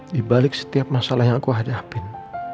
di balik setiap masalah yang aku hadapin